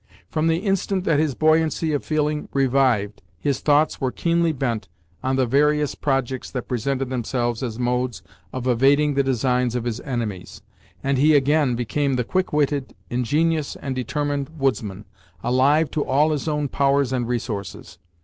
From the instant that his buoyancy of feeling revived, his thoughts were keenly bent on the various projects that presented themselves as modes of evading the designs of his enemies, and he again became the quick witted, ingenious and determined woodsman, alive to all his own powers and resources.